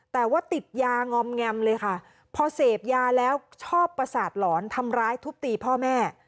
แต่ว่าติดยางอมแงมเลยค่ะพอเสพยาแล้วชอบประสาทหลอนทำร้ายทุบตีพ่อแม่